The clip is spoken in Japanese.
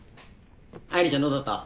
愛梨ちゃんどうだった？